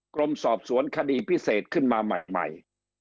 กรมสอบสวนคดีพิเศษขึ้นมาใหม่